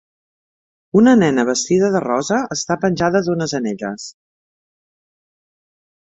una nena vestida de rosa està penjada d'unes anelles.